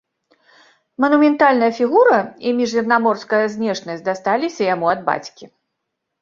Манументальная фігура і міжземнаморская знешнасць дасталіся яму ад бацькі.